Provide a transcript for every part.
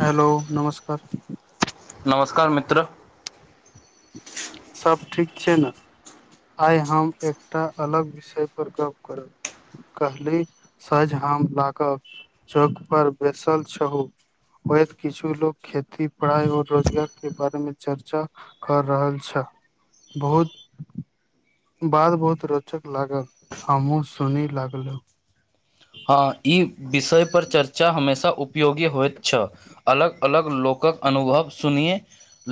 Hello नमस्कार नमस्कार मित्र सभ ठीक छै ने, आइ हम एकटा अलग विषय पर गप करब कहली सझ हम लागब चौक पर बैसल छहु होएत किछु लोग खेती पढ़ाई और रोजगार के बारे में चर्चा कर रहल। अच्छा बहुत बात बहुत रोचक लागल, हमहूँ सुनी लागलहुँ। हँ, ई विषय पर चर्चा हमेशा उप। योगी होइत छल, अलग अलग लोकक अनुभव सुनए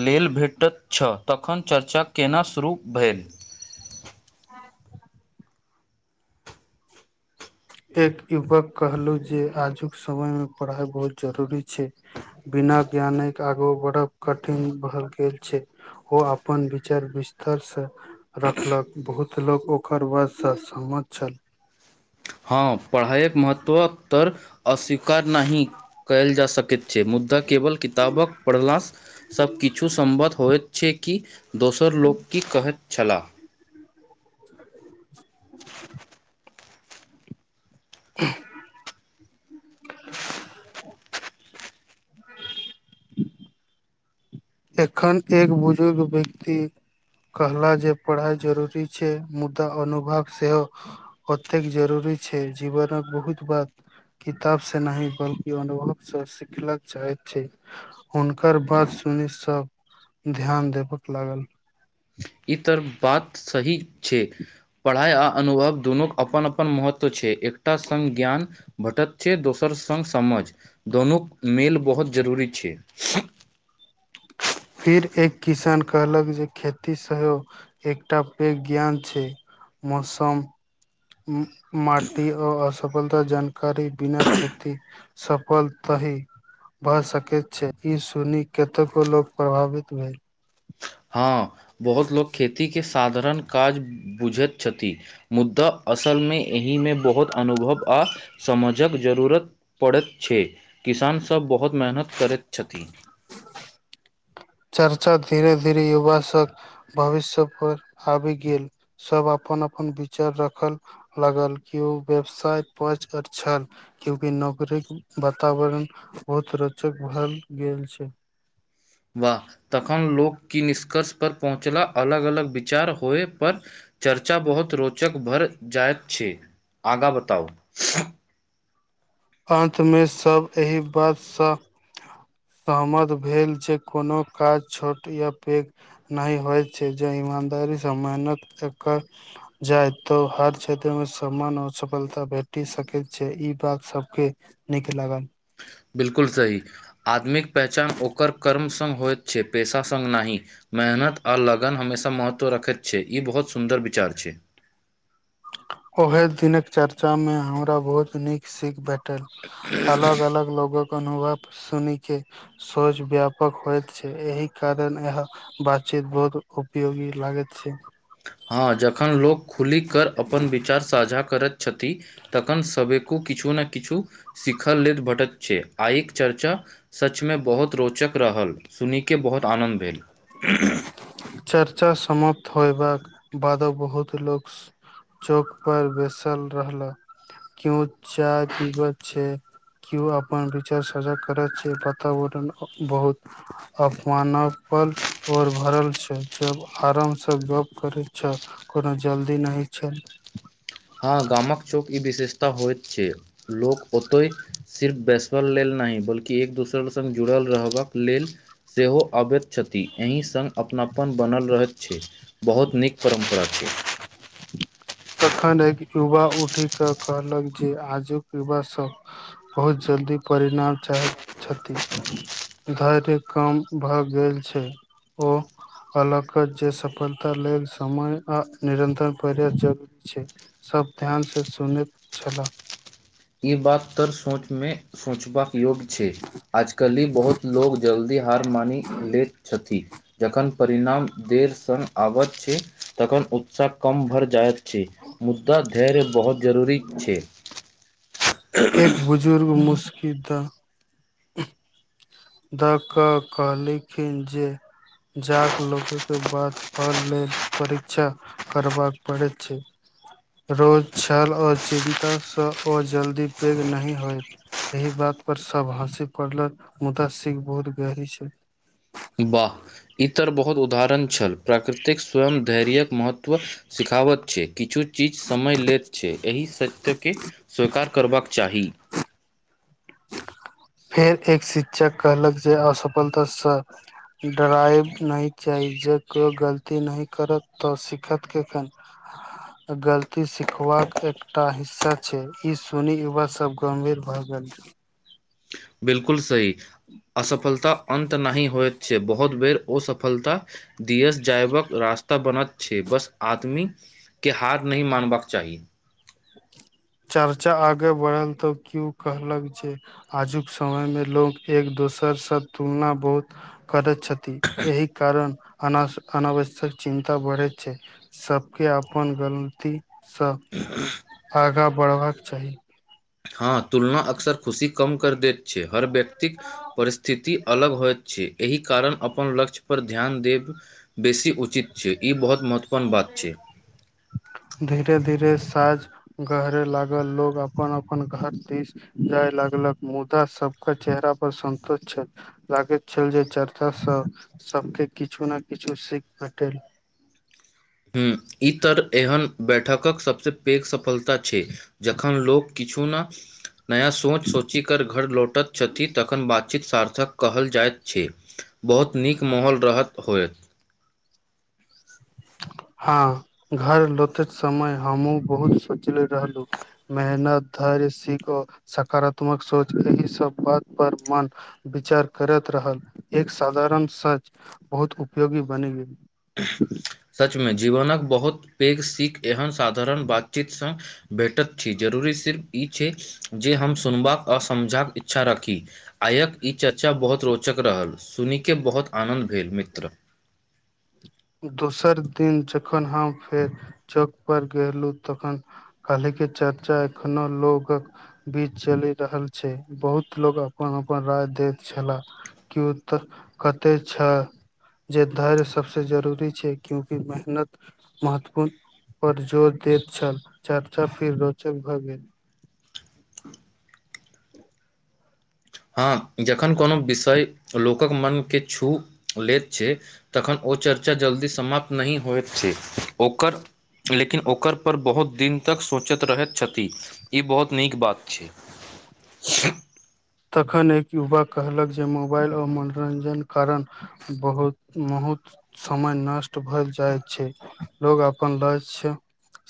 लेल भेटैत छल, तखन चर्चा केना शुरू भेल हॅं एक युवक कहलहु जे आजुक समय मे पढ़ाई बहुत जरूरी छै। बिना ज्ञानक आगाँ बढ़ब कठिन भऽ गेल छै। ओ अपन विचार विस्तारसँ रखलक बहुत लोक ओकर बातसँ सहमत छल। हँ पढ़ाइके महत्वतर अस्वीकार नहि कएयल जा सकैत। छै मुद्दा केवल किताबक पढ़लासॅं सभ किछु सम्बत होइत छै। कि दोसर लोक की कहैत छलाह? [unintelligible] [inaudible] एखन एक बुजुर्ग व्यक्ति कहला जे पढ़ाइ जरूरी छै मुदा अनुभव सेहो ओतेक जरूरी छै जीवनक बहुत बात किताब से न बल्कि अनुभव से सिखलक चाहैत छै हुनकर बात सुनि सब ध्यान देबक लागल ई त बात सही छै पढ़ाइ आ अनुभव दुनू अपन अपन महत्व छै एकटा संग ज्ञान भेटत छै दोसर सङ्ग समझ दुनू मेल बहुत जरूरी छै फिर एक किसान कहलक जे खेती सय एकटा पैघ ज्ञान छै मौसम माटी अऽ असफलता जानकारी बिना खेती सफलता ही भए सकैत छै ई सुनी कतेको लोक प्रभावित भेल हँ बहुत लोको खेतीक के साधारण काज बुझैत छथि मुद्दा असलमे एहिमे बहुत अनुभव आ समझक जरूरत पड़ैत छै किसानसभ बहुत मेहनत करैत छथिन [inaudible] चर्चा धीरे धीरे युवा सभ भविष्य पर आबि गेल सब अपन अपन विचार रखल लागल के ओ व्यवसाय पच आ छल क्यूंकि नौकरीक वातावरण बहुत रोचक भ गेल छै वाह तखन लोक की निष्कर्ष पर पहुँचला अलग अलग विचार होए पर चर्चा बहुत रोचक भर जायत छै आगाँ बताउ अन्तमे सभ एहि बातसँ सहमत भेल जे कोनो काज छोट या पैघ नहि होइ छै जे इमानदारी समयनक चकर जाय तऽ हर क्षेत्र मे सम्मान आऔर सफलता भेटी सकैत छै ई बात सब के निक लागल बिलकुल सही आदमिक पहचान ओकर कर्म स होयइत छै पेशा संग नहि मेहनत आ लगन हमेशा महत्व रखैत छै ई बहुत सुन्दर विचार छै ओहे दिनक चर्चा मे हमरा बहुत नीक सीख भेट अलग अलग लोगो के अनुभव सुनी के सोच व्यापक होइत छै एहि कारण इएह बातचीत बहुत उपयोगी लागेत छै हँ जखन लोक खुलि कर अपन विचार साझा करैत छथि तखन सभ किछु न किछु शिखल ले भटक छै आ एक चर्चा सचमे बहुत रोचक रहल सुन कऽ बहुत आनन्द भेल चर्चा समाप्त होयबाक बाद बहुत लोकग चौक पर बसल रह केओ चाय पीबैत छै केओ अपन विचार साझा करैत छै वातावरण बहुत अफवाना पर ओर भरल छै जब आराम से गप करे छ कोनो जल्दी नही छै हँ गामक चौक ई विशेषता होइत छै लोक ओतय सिर्फ बैसल लेल नहि बल्कि एक दोसर संग जुड़ल रहबाक लेल सेहो अबैत छथि एहि सन अपना अपन बनल रह छै बहुत नीक परम्परा छै तखन एक युवा उठि क कहलक जे आजुक युवा सब बहुत जल्दी परिणाम चाहैत छथि धैर्य काम भए गेल छै ओ कहलक जे सफलता लेल समय आ निरन्तर प्रयास जरुरी सब ध्यान से सुनैत छलाह ई बात तर सोचमे सोचबाक योग्य छै आजकली बहुत लोग जल्दी हार मानि लैत छथिन जखन परिणाम देर सँ आबैत छै तखन उत्साह कम भर जायत छै मुदा धैर्य बहुत जरूरी छै एक बुजर्ग मुस्कितऽ [inaudible] दऽ कऽ कहलखिन जे जाक लोक के बात पल ल परीक्षा करबाक पड़ैत छै रोज छल आर चिन्तासँ ओ जल्दी पैघ नहि होयत एहि बात पर सब हँसी पड़लक मुदा सिख बहुत गहरी छै वाह इ तर बहुत उदाहरण छल प्राकृतिक स्वयं धैर्यके महत्व सिखाबत छै किछु चीज समय लैत छै एहि सत्यके स्वीकार करबाक चाही फेर एक शिक्षक कहलक जे असफलताँ सँ डराइव नहि चाही जे केइओ गलती नहि करत तऽ सिखत कखन [inaudible] [inaudible] गलती सिखबाक एकटा हिस्सा छै ई सुनी युवा सब गम्भीर भए गेल बिल्कुल सही असफलता अन्त नहि होइत छै बहुत बेर ओसफलता दियस जायवक रास्ता बनत छै बस आदमी के हार नहि मानबाक चाही [inaudible] चर्चा आगे बढ़ल तऽ क्यू कहलक जे आजुक समयमे लोक एक दोसरसँ तुलना बहुत करैत छथि एहि कारण अनास अनावश्यक चिन्ता बढ़े छै सभके अपन गलतीसँ [inaudible] आगाँ बढ़बाक चाही हँ तुलना अक्सर खुशी कम कर दैत छै हर व्यक्तिक परिस्थिति अलग होइत छी एहि कारण अपन लक्ष्य पर ध्यान देब बेसी उचित छै ई बहुत महत्वपूर्ण बात छै धीरे धीरे साँझ गहरय लागल लोग अपन अपन घर दिस जाय लगलक मुदा सबक चेहरा पर सन्तोष छल लागैत छल जे चर्चा सबके किछु ने किछु सीख भेटल हँ ई तर एहन बैठकक सभसँ पेघ सफलता छै जखन लोक किछु नऽ नया सोच सोचि कर घर लौटैत छथि तखन बातचीत सार्थक कहल जाइत छी बहुत नीक माहौल रहत होयत हँ घर लोतेत समय हमहुँ बहुत सोचले रहलु मेहनत धैर्य सिखो सकारात्मक सोच एहि सब बात पर मन विचार भेरैत रहल एक साधारण सच बहुत उपयोगी बनि गेल सचमे जीवनक बहुत पैघ सीख एहन साधारण बातचीत सँ भेटक छी जरूरी सिर्फ ई छै जे हम सुनबाक आ समझाक इच्छा राखी आइक ई चर्चा बहुत रोचक रहल सुनिके बहुत आनन्द भेल मित्र दोसर दिन जखन हम फेर चौकपर गेलहुँ तखन अलगे चर्चा एखनो लोग बीच चलि रहल छै बहुत लोग अपन अपन राय देत छलाह क्यौ एतए तऽ कते छह जे धैर्य सभ से जरूरी छै। क्योंकि मेहनत महत्वपूर्ण पर जोर दैत छल, चर्चा फिर रोचक भए गेल हँ जखन कोनो विषय लोकक मनकेँ छू लैत छैय। तखन ओ चर्चा जल्दी समाप्त नहि होइत छै, ओकर लेकिन ओकर पर बहुत दिन तक सोचैत रहैत छथि। ई बहुत नीक बात छैय। तखन एक युवा कहलक जे मोबाइल आओर मनोरंजन कारण। बहुत महुत समय नष्ट भ‌ऽ जाय छैय, लोग अपन ल्क्षय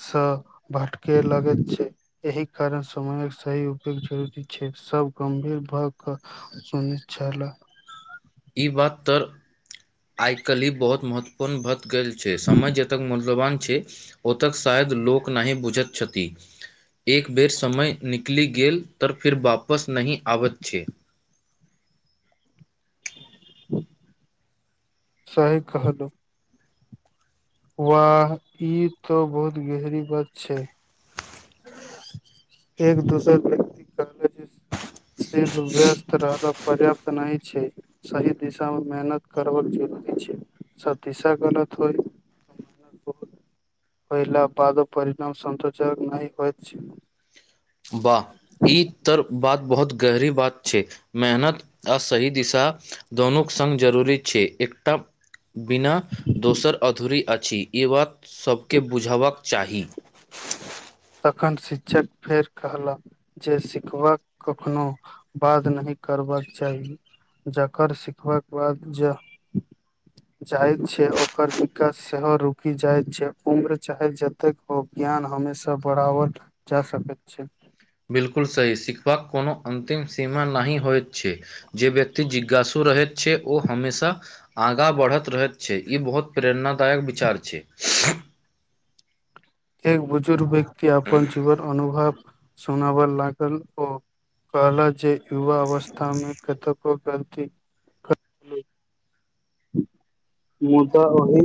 सँ भटके लगैत छैय। एहि कारण समयक सही उपयोग जरूरी छैय। सभ गम्भीर भए कऽ सुनि छलै। ई बात तर आइ काल्हि बहुत महत्व। उत्पन्न भऽ गेल छै, समय जतेक मूल्यवान छैय। ओतय शायद लोक नहि बुझैत छथि। एक बेर समय निकलि गेल तऽ फिर वापस नहि आबैत छै। सही कहलु वाह ई तो बहुत गेहरी बात छैय। एक दोसर व्यक्त कहले जे सिर्फ व्यस्त रहल पर्याप्त नहि छैय। सही दिशामे मेहनत करक जरूरी छैय। स दिशा गलत होइ [inaudible] पहिला बादो परिणाम, संतोजक नहि होय छैय। वाह ई तऽ बहुत गहीर बात छै मेहनत आ सही दिशा। दूनू संग जरूरी छै एकटा। बिना दोसर अधूरा अछि, ई बात सभकेँ बुझबाक चाही। अखन शिक्षक फेर कहला। जे सिखबाक कखनो बाद नहि करबाक चाही। जकर सिखबाक बाद जे जाय छै, ओकर विकास सेहो रुकि जाय छै, उम्र चाहे जतेक ओ ज्ञान हमेशा बड़ाबर जा सकैत छै। बिल्कुल सही सीखबाक कोनो अन्तिम सीमा नहि होत। छै, जे व्यक्ति जिज्ञासु रहैत छै, ओ हमेशा आगाँ बढ़ैत रहैत छै, इ बहुत प्रेरणादायक विचार छै। एक बुजुर्ग व्यक्ति अपन जीवन अनुभव सुनाब लागल ओ। कहल जे युवा अवस्थामे कतको गलती कर। मुदा तऽ ओही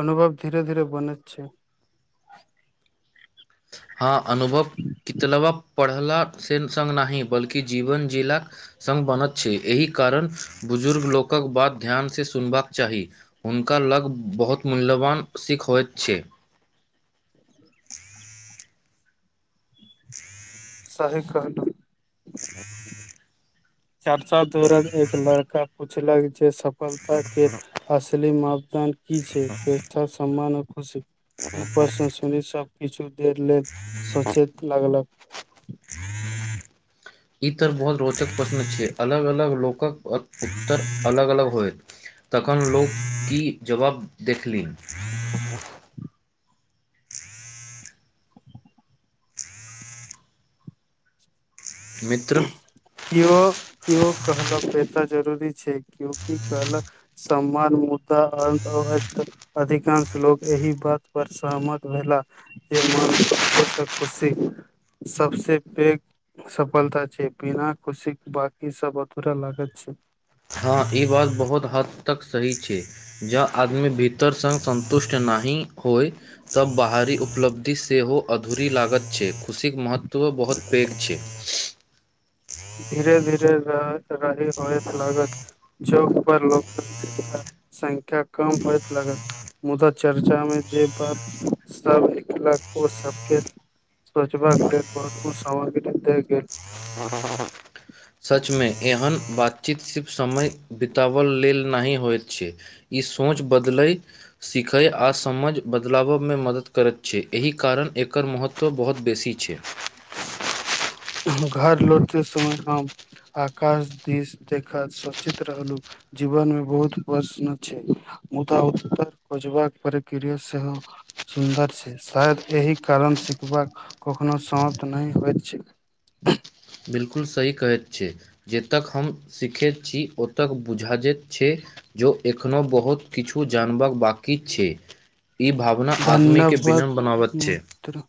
अनुभव धीरे धीरे बने छै। हँ, अनुभव कितने पढ़लासँ संग नहि, बल्कि जीवन जीलासँ संग बनत छै, एहि कारण बुजुर्ग लोकक बात ध्यानसँ सुनबाक चाही। हुनका लग बहुत मूल्यवान सिख होइत छै। सही कहलू [inaudible] चारचा दर एक लड़का पूछलक जे सफलताक के असली मापदंड की छै। पेशा सम मन खुशी ई प्रश्न सुनी सभ किछु दे लेल सोचत लगलक इ तर बहुत रोचक प्रश्न छै। अलग अलग लोक के उत्तर अलग अलग होयत तखन लोक की जवाब देखलनि? मित्र क्यो क्यो कहलक पैसा जरूरी छै क्यो की कहलक सम्मान मुद्दा अ [unintelligible] अधिकांश लोक एहि बात पर सहमत भेलाह मै मान सन्तोष आ खुशी सबसँ पैघ सफलता छै बिना खुशी बाकी सब अधूरा लागैत छै हँ ई बात बहुत हद तक सही छै जँ आदमी भीतर सँ सन्तुष्ट नहि होय तब बाहरी उपलब्धि सेहो अधूरी लागत छै खुशीके महत्वो बहुत पैघ छै धीरे धीरे रहि होयत लागत चौक पर लोक संख्या कम होइत लगत मुदा चर्चा मे जे बात सबके स्वच्छ भाग गेल बहुत को सारकेट गेल सचमे एहन बातचीत सिर्फ समय बितबै लेल नहि होइत छै ई सोच बदलै सीखय आ समझ बदलाब मे मदद करैत छै एहि कारण एकर महत्व महत्व बहुत बेसी छै घर लौटते समय हम आकाश दिश देखा सोचत रहलु जीवन मे बहुत प्रश्न छै मुदा उत्तर खोजबाक प्रक्रिया सेहो सुन्दर छै शायद एहि कारण सिखबाक कखनो समाप्त नहि होइत छै बिलकुल सही कहैत छी जतेक हम सीखैत छी ओतय बुझाैत छै जो एखनो बहुत किछु जानबाक बाकी छै ई भावना आदमीके धन्यवाद विनम्र बनाबैत छै मित्र